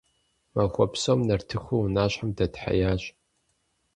Махуэ псом нартыхур унащхьэм дэтхьеящ.